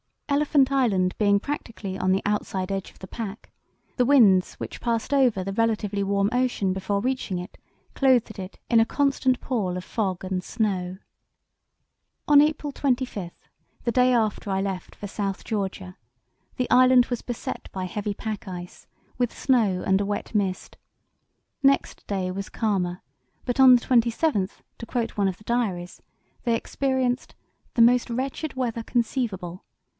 Elephant Island being practically on the outside edge of the pack, the winds which passed over the relatively warm ocean before reaching it clothed it in a "constant pall of fog and snow." On April 25, the day after I left for South Georgia, the island was beset by heavy pack ice, with snow and a wet mist. Next day was calmer, but on the 27th, to quote one of the diaries, they experienced "the most wretched weather conceivable.